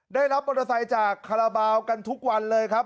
ได้รับมอเตอร์ไซค์จากคาราบาลกันทุกวันเลยครับ